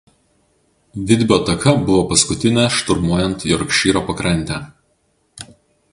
Vitbio ataka buvo paskutinė šturmuojant Jorkšyro pakrantę.